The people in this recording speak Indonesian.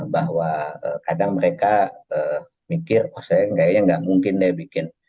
bahwa kadang mereka mikir oh saya kayaknya nggak mungkin deh bikin